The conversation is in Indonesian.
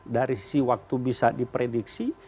dari sisi waktu bisa diprediksi